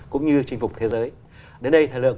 cũng như chinh phục thế giới đến đây thời lượng